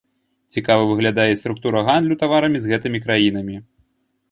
Цікава выглядае і структура гандлю таварамі з гэтымі краінамі.